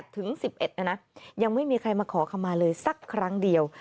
ถึง๑๑นะนะยังไม่มีใครมาขอคำมาเลยสักครั้งเดียว